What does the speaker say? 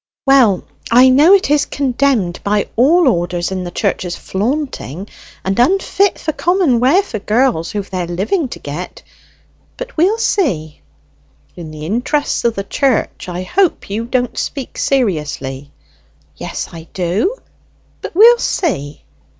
"Well, I know it is condemned by all orders in the church as flaunting, and unfit for common wear for girls who've their living to get; but we'll see." "In the interest of the church, I hope you don't speak seriously." "Yes, I do; but we'll see."